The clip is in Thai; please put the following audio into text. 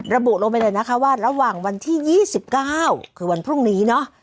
ระบุลงไปเลยนะคะว่าระหว่างวันที่๒๙คือวันพรุ่งนี้เนอะ